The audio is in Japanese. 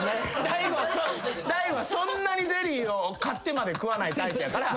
大悟はそんなにゼリーを買ってまで食わないタイプやから。